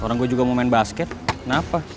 orang gue juga mau main basket kenapa